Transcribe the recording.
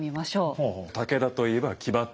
武田といえば騎馬隊。